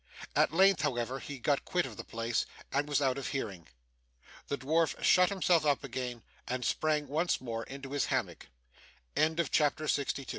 At length, however, he got quit of the place, and was out of hearing. The dwarf shut himself up again, and sprang once more into his h